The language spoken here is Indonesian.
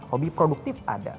hobi produktif ada